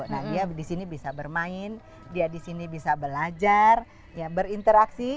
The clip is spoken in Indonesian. nah dia di sini bisa bermain dia di sini bisa belajar berinteraksi